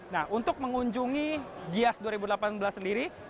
nah untuk mengunjungi gias dua ribu delapan belas sendiri